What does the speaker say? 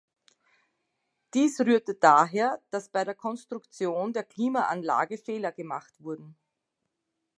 Dies rührte daher das bei der Konstruktion der Klimaanlage Fehler gemacht wurden.